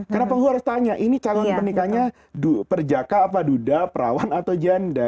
karena penghulu harus tanya ini calon penikahnya perjaka apa duda perawan atau janda